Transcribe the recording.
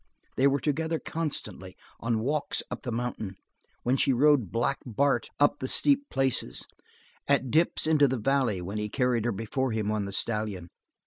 They were together constantly, on walks up the mountain, when she rode Black Bart up the steep places: on dips into the valley, when he carried her before him on the stallion.